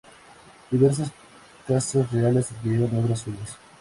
Diversas casas reales adquirieron obras suyas.